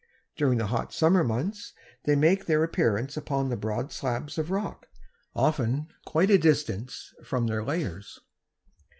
During the hot summer months they make their appearance upon the broad slabs of rock, often quite a distance from their lairs.